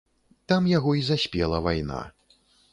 Там яго і заспела вайна.